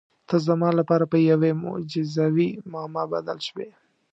ته زما لپاره په یوې معجزوي معما بدل شوې.